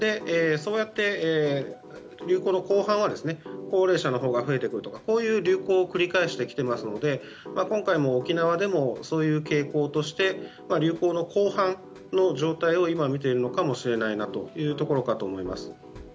そうやって流行の後半は高齢者のほうが増えてくるという流行を繰り返しているので今回も沖縄でもそういう傾向として流行の広範の状態を今、見ているのかもしれないなと思います。